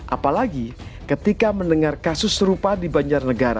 apalagi ketika mendengar kasus serupa di banjarnegara